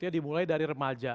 dimulai dari remaja